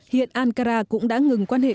hiện ankara cũng đã ngừng quan hệ